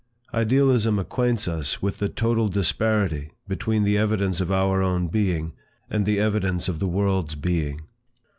Idealism acquaints us with the total disparity between the evidence of our own being, and the evidence of the world's being.